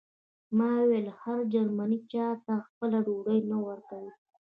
ما وویل هر جرمنی چاته خپله ډوډۍ نه ورکوي